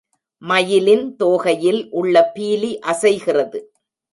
மயிலின் தோகையில் உள்ள பீலி அசைகிறது.